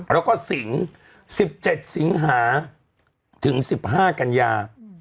แล้วก็สิง๑๗สิงหาถึง๑๕กันยา